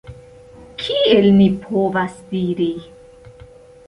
Kiel ni povas diri?